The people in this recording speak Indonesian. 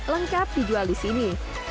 lengkap dijual di sini